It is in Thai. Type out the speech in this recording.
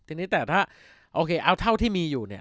ทีนี้แต่ถ้าโอเคเอาเท่าที่มีอยู่เนี่ย